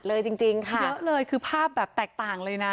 เยอะจริงค่ะเยอะเลยคือภาพแบบแตกต่างเลยนะ